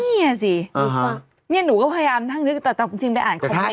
นี่สินี่หนูก็พยายามทั้งนึงแต่จริงได้อ่านคอมเม้นต์จากนี้